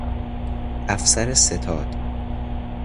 افسر ستاد